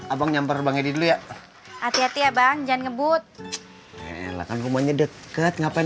abang nyamper bang edi dulu ya hati hati ya bang jangan ngebut lah kan kumannya deket ngapain